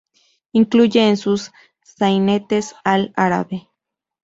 Incluye en sus sainetes al árabe.